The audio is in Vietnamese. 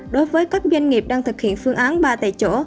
đối với các doanh nghiệp đang thực hiện phương án ba tại chỗ